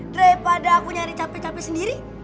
daripada aku nyari capek capek sendiri